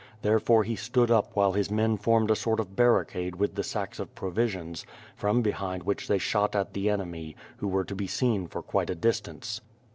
Therefore he stood up while his men formed a sort of barricade with the sacks of provisions, from behind which they shot at the enemy, who were to be seen for quite a distance.